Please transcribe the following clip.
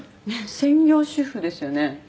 「専業主婦ですよね？